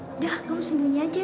nana udah kamu sembunyi aja